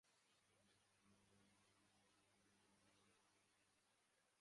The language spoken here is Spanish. Aquenios cilíndricos, costados, sólo con pelos glandulares, a veces con algunos pelos simples.